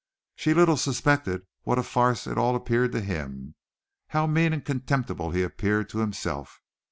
She little suspected what a farce it all appeared to him, how mean and contemptible he appeared to himself.